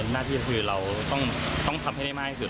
หน้าที่คือเราต้องทำให้ได้มากที่สุด